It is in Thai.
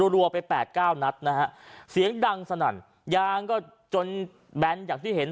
รัวไปแปดเก้านัดนะฮะเสียงดังสนั่นยางก็จนแบนอย่างที่เห็น